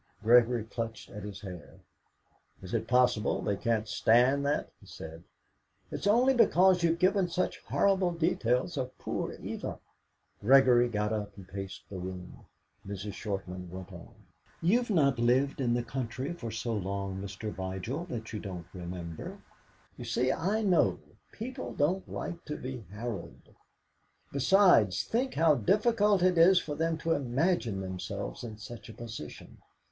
Gregory clutched at his hair. "Is it possible they can't stand that?" he said. "It's only because you've given such horrible details of poor Eva." Gregory got up and paced the room. Mrs. Shortman went on "You've not lived in the country for so long, Mr. Vigil, that you don't remember. You see, I know. People don't like to be harrowed. Besides, think how difficult it is for them to imagine themselves in such a position.